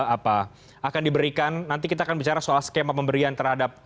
apa akan diberikan nanti kita akan bicara soal skema pemberian terhadap